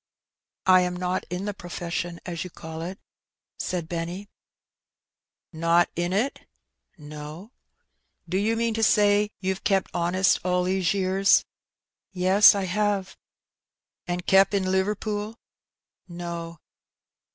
*' ^^I am not in the profession, as you call it,*' said Benny. '' Not in it ?''" No." '^Do you mean to say youVe kep' honest all these years ?'*'' Yes, I have.'' ^^ An' kep* in Liverpool ?" "No."